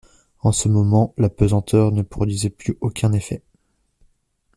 En ce moment, la pesanteur ne produisait plus aucun effet.